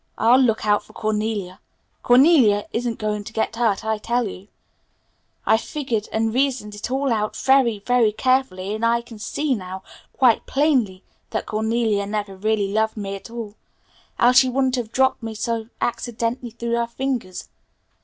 I'll look out for Cornelia. Cornelia isn't going to get hurt. I tell you I've figured and reasoned it all out very, very carefully; and I can see now, quite plainly, that Cornelia never really loved me at all else she wouldn't have dropped me so accidentally through her fingers.